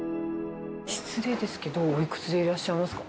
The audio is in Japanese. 失礼ですけど、おいくつでいらっしゃいますか？